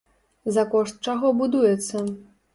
За кошт чаго будуецца?